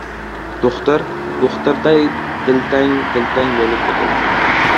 Do‘xtir — do‘xtirday diltang-diltang bo‘lib o‘tirdi.